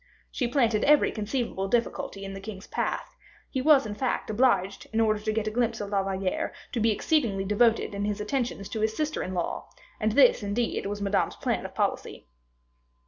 She planted every conceivable difficulty in the king's path; he was, in fact, obliged, in order to get a glimpse of La Valliere, to be exceedingly devoted in his attentions to his sister in law, and this, indeed, was Madame's plan of policy.